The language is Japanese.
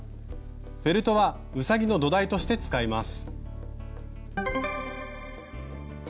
フェルトはうさぎの土台として使います。